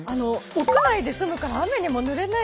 屋内で済むから雨にもぬれないし